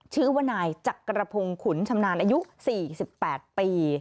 ชื่อว่านายจักรพงศ์ขุนชำนาญอายุ๔๘ปี